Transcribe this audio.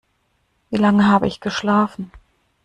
Wie lange habe ich geschlafen?